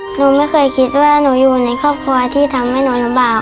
หนูไม่เคยคิดว่าหนูอยู่ในครอบครัวที่ทำให้หนูลำบาก